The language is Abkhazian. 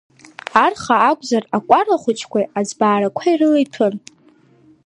Арха акәзар, акәара хәыҷқәеи, аӡбаарақәеи рыла иҭәын.